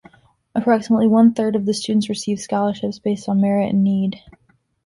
Approximately one third of the students receive scholarships based on merit and need.